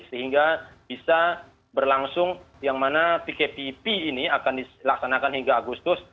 sehingga bisa berlangsung yang mana pkp ini akan dilaksanakan hingga agustus